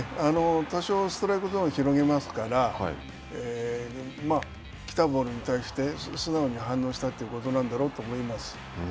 多少ストライクゾーンを広げますから来たボールに対して素直に反応したということなんだろうと思います。